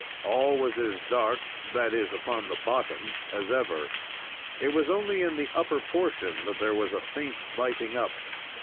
All was as dark that is, upon the bottom as ever. It was only in the upper portion that there was a faint lighting up.